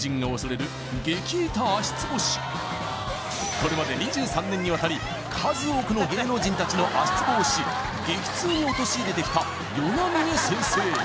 これまで２３年にわたり数多くの芸能人達の足ツボをし激痛に陥れてきたよなみね先生